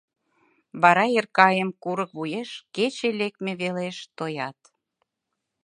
Вара Эркайым курык вуеш, кече лекме велеш, тоят...